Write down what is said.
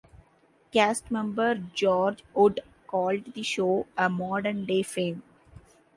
Cast member George Wood called the show "a modern day "Fame".